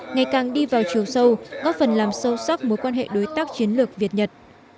ngày càng đi vào chiều sâu góp phần làm sâu sắc mối quan hệ đối tác chiến lược việt nhật